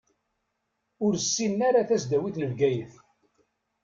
Ur ssinen ara tasdawit n Bgayet.